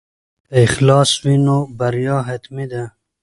که اخلاص وي نو بریا حتمي ده.